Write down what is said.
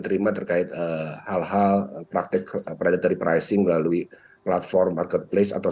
terima terkait hal hal praktek predatory pricing melalui platform marketplace atau